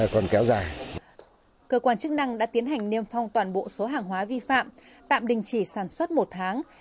cơ quan chức năng đã tiến hành niêm phong toàn bộ số hàng hóa vi phạm tạm đình chỉ sản xuất một tháng